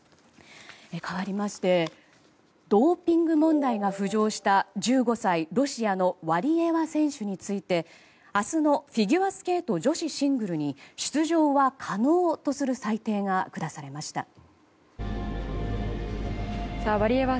かわりましてドーピング問題が浮上した１５歳、ロシアのワリエワ選手について明日のフィギュアスケート女子シングルに出場は可能とする裁定が下されました。